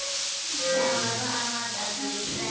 今日のご飯は特別だよ。